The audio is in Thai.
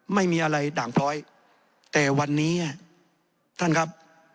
ไม่มีอะไรด่างพร้อยแต่วันนี้ท่านครับ